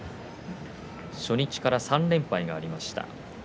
初日から３連敗がありました。